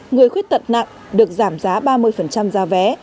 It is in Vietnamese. người khuyết tật nặng được giảm giá ba mươi giá vé